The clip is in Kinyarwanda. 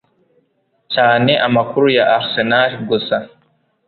cyane Amakuru ya Arsenal gusa